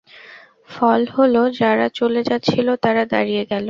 ফল হল, যারা চলে যাচ্ছিল তারা দাঁড়িয়ে গেল।